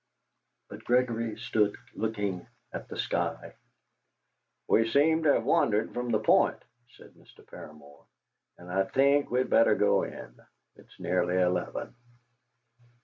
But Gregory stood looking at the sky. "We seem to have wandered from the point," said Mr. Paramor, "and I think we had better go in. It's nearly eleven."